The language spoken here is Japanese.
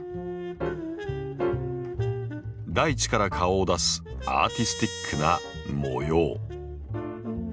大地から顔を出すアーティスティックな模様。